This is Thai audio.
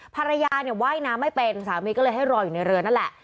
ภรรยาเนี่ยว่ายน้ำไม่เป็นสามีก็เลยให้รออยู่ในเรือนั่นแหละ